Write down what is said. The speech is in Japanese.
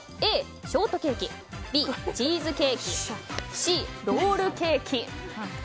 Ａ、ショートケーキＢ、チーズケーキＣ、ロールケーキ。